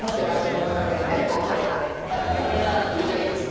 これは苦いですね。